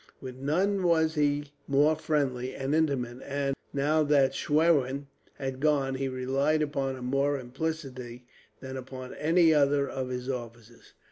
With none was he more friendly and intimate and, now that Schwerin had gone, he relied upon him more implicitly than upon any other of his officers.